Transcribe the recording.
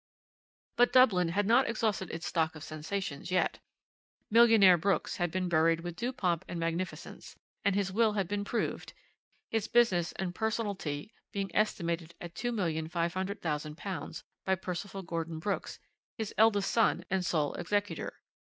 "But Dublin had not exhausted its stock of sensations yet. Millionaire Brooks had been buried with due pomp and magnificence, and his will had been proved (his business and personalty being estimated at £2,500,000) by Percival Gordon Brooks, his eldest son and sole executor.